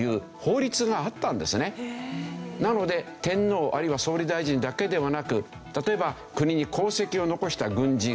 なので天皇あるいは総理大臣だけではなく例えば国に功績を残した軍人